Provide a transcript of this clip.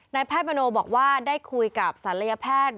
แพทย์มโนบอกว่าได้คุยกับศัลยแพทย์